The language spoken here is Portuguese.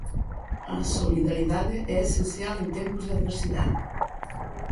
A solidariedade é essencial em tempos de adversidade.